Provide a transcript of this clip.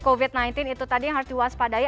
covid sembilan belas itu tadi yang harus diwaspadai